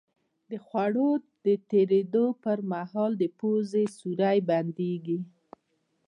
د خوړو د تېرېدو په مهال پوزې سوری بندېږي.